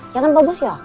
ya kan pak bos ya